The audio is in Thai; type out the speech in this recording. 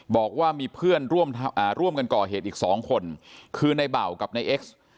บอกว่ามีเพื่อนร่วมกันก่อเหตุอีก๒คนคือในเบากับนายเอ็กซ์